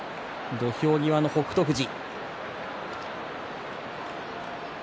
土俵際の北勝富士。